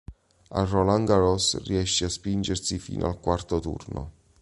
Al Roland Garros riesce a spingersi fino al quarto turno.